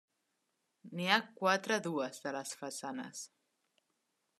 N'hi ha quatre dues de les façanes.